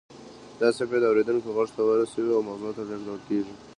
دا څپې د اوریدونکي غوږ ته رسیږي او مغزو ته لیږدول کیږي